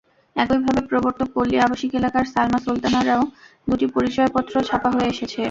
একইভাবে প্রবর্তক পল্লি আবাসিক এলাকার সালমা সুলতানারও দুটি পরিচয়পত্র ছাপা হয়ে এসেছে।